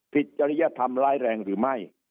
จริยธรรมร้ายแรงหรือไม่